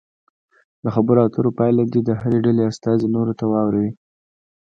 د خبرو اترو پایله دې د هرې ډلې استازي نورو ته واوروي.